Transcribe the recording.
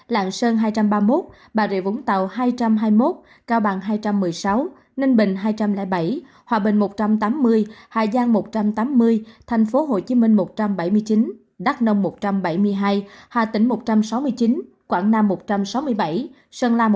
lạng sơn hai trăm ba mươi một bà rịa vũng tàu hai trăm hai mươi một cao bằng hai trăm một mươi sáu ninh bình hai trăm linh bảy hòa bình một trăm tám mươi hà giang một trăm tám mươi thành phố hồ chí minh một trăm bảy mươi chín đắk nông một trăm bảy mươi hai hà tĩnh một trăm sáu mươi chín quảng nam một trăm sáu mươi bảy sơn la một trăm sáu mươi ba